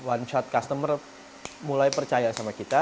one chart customer mulai percaya sama kita